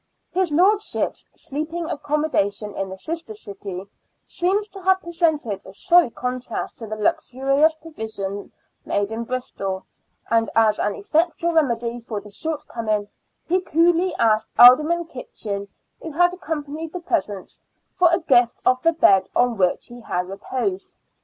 His lordship's sleeping accommodation in the sister city seems to have presented a sorry contrast to the luxurious provision made in Bristol, and as an effectual remedy for the shortcoming, he coolly asked Alderman Kitchin, who had accompanied the presents, for a gift of the bed on which he had reposed.